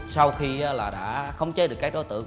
sau khi đã khống chế được các đối tượng